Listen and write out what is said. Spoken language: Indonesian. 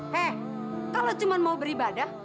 hei kalau cuma mau beribadah